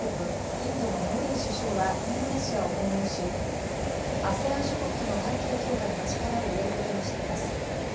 インドのモディ首相はインドネシアを訪問しＡＳＥＡＮ諸国との関係強化に力を入れることにしています。